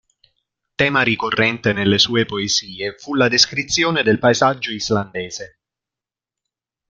Tema ricorrente nelle sue poesie fu la descrizione del paesaggio islandese.